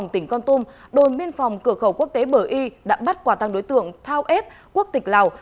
tỉnh con tum đồn biên phòng cửa khẩu quốc tế bờ y đã bắt quả tăng đối tượng thao ép quốc tịch lào